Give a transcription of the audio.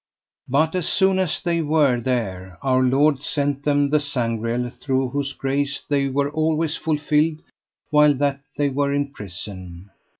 But as soon as they were there Our Lord sent them the Sangreal, through whose grace they were always fulfilled while that they were in prison.